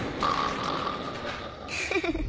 フフフッ。